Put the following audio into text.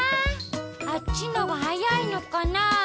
あっちのがはやいのかな。